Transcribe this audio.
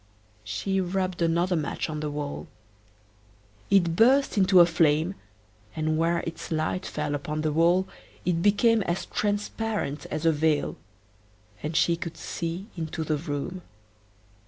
She rubbed another match on the wall. It burst into a flame, and where its light fell upon the wall it became as transparent as a veil, and she could see into the room.